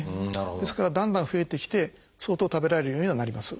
ですからだんだん増えてきて相当食べられるようにはなります。